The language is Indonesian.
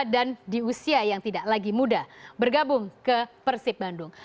dan di usia yang tidak lagi muda bergabung ke persib bandung